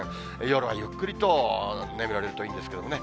夜はゆっくりと眠られるといいですけどね。